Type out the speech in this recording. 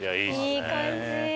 いい感じ！